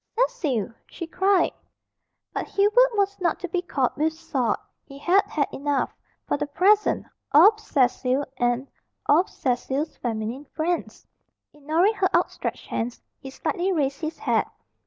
"Cecil!" she cried. But Hubert was not to be caught with salt. He had had enough, for the present, of Cecil and of Cecil's feminine friends. Ignoring her outstretched hands, he slightly raised his hat.